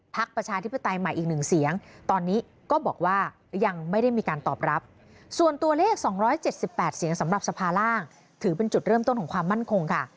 ประชาธิปไตยใหม่อีก๑เสียงตอนนี้ก็บอกว่ายังไม่ได้มีการตอบรับส่วนตัวเลข๒๗๘เสียงสำหรับสภาล่างถือเป็นจุดเริ่มต้นของความมั่นคงค่ะ